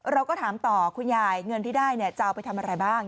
เราก็ถามต่อคุณยายเงินที่ได้จะเอาไปทำอะไรบ้าง